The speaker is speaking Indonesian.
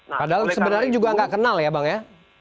padahal sebenarnya juga nggak kenal ya bang ya